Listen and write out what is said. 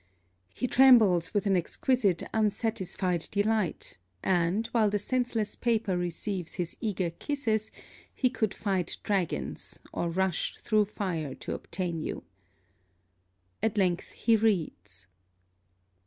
He trembles with an exquisite unsatisfied delight: and, while the senseless paper receives his eager kisses, he could fight dragons, or rush through fire to obtain you. At length he reads.